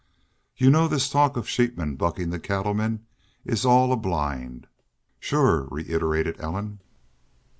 "You know this talk of sheepmen buckin' the cattlemen is all a blind?" "Shore," reiterated Ellen.